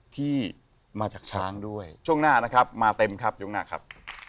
ที่มาจากช้างด้วยช่วงหน้านะครับมาเต็มครับช่วงหน้าครับ